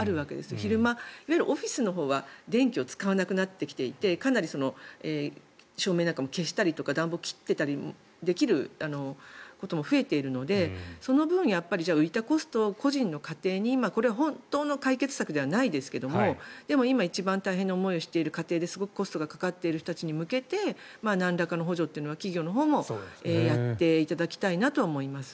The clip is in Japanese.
昼間、オフィスのほうは電気を使わなくなってきていてかなり照明なんかも消したり暖房を切っていたりできることも増えているのでその分、浮いたコストを個人の家庭にこれは本当の解決策ではないですが今、一番大変な思いをしているすごくコストがかかっている人たちに向けてなんらかの補助を企業のほうもやっていただきたいなとは思います。